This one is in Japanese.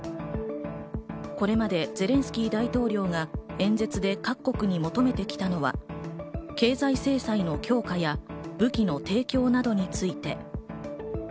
これまでゼレンスキー大統領が演説で各国に求めてきたのは、経済制裁の強化や武器の提供などについて。